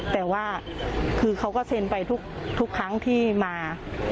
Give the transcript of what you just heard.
แต่ว่าคือเขาก็เซ็นไปทุกครั้งที่มา